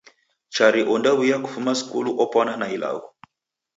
Chari ondaw'uya kufuma skulu opwana na ilagho!